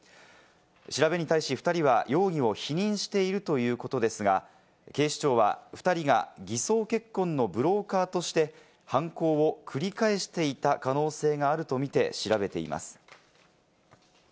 調べに対し２人は容疑を否認しているということですが、警視庁は２人が偽装結婚のブローカーとして犯行を繰り返していた可能性があるとみて調べています。